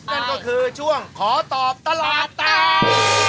นั่นก็คือช่วงขอตอบตลาดตาม